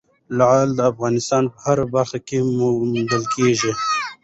لعل د افغانستان په هره برخه کې موندل کېږي.